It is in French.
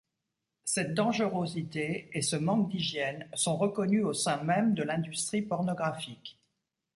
Cette dangerosité et ce manque d'hygiène sont reconnus au sein même de l'industrie pornographique.